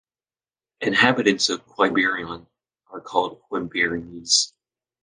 Inhabitants of Quiberon are called "Quiberonnais".